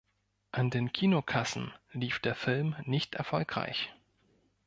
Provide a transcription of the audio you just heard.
An den Kinokassen lief der Film nicht erfolgreich.